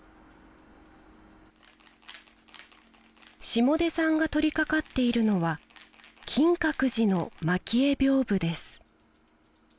下出さんが取りかかっているのは金閣寺の蒔絵屏風です。